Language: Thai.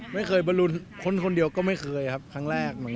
ไม่เคยบอลลูนคนเดียวก็ไม่เคยครับครั้งแรกเหมือนกัน